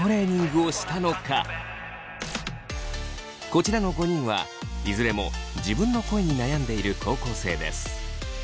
こちらの５人はいずれも自分の声に悩んでいる高校生です。